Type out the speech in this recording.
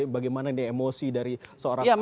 bagaimana ini emosi dari seorang ahok